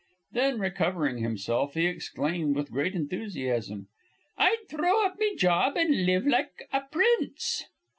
Then, recovering himself, he exclaimed with great enthusiasm, "I'd throw up me job an' an' live like a prince."